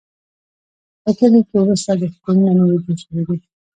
په کلي کې اووه څلوېښت کورونه نوي جوړ شوي دي.